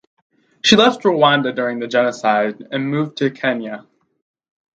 She left Rwanda during the genocide and moved to Kenya.